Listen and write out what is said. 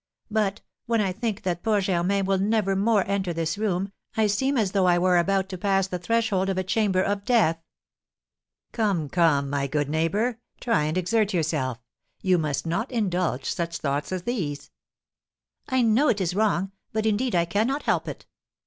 But, when I think that poor Germain will never more enter this room, I seem as though I were about to pass the threshold of a chamber of death." "Come, come, my good neighbour, try and exert yourself; you must not indulge such thoughts as these." "I know it is wrong; but, indeed, I cannot help it."